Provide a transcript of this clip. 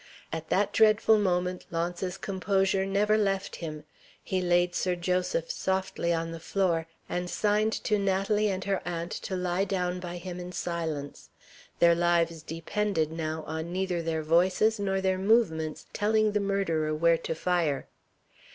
At that dreadful moment Launce's composure never left him. He laid Sir Joseph softly on the floor, and signed to Natalie and her aunt to lie down by him in silence. Their lives depended now on neither their voices nor their movements telling the murderer where to fire.